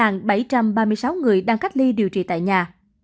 bảy trăm ba mươi sáu người đang cách ly điều trị tại nhà